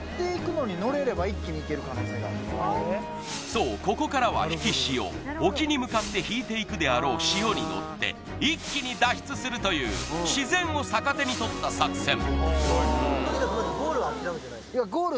そうここからは引き潮沖に向かって引いていくであろう潮にのって一気に脱出するという自然を逆手に取った作戦